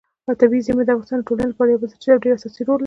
طبیعي زیرمې د افغانستان د ټولنې لپاره یو بنسټیز او ډېر اساسي رول لري.